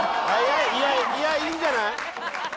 いやいいんじゃない？